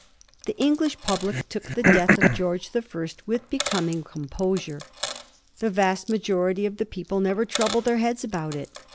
The English public took the death of George the First with be coming composure. The vast majority of the people never troubled their heads about it.